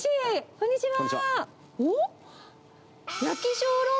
こんにちは。